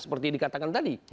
seperti dikatakan tadi